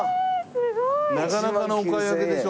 すごい。なかなかのお買い上げでしょ？